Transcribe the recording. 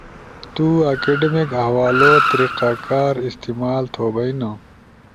تو اکیڈیمک حوالو طریقہ کار استعمال تھوبئینا ل